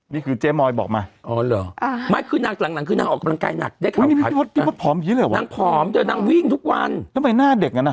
นี่คือเจมอยด์บอกมา